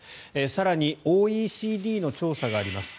更にＯＥＣＤの調査があります。